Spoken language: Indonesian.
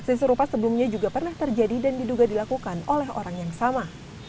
aksi serupa sebelumnya juga pernah terjadi dan diduga dilakukan oleh orang yang sama